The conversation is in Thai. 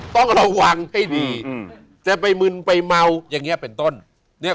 ต้องระวังให้ดีจะไปมึนไปเมาอย่างนี้เป็นต้นเนี่ย